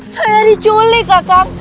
saya diculik kakak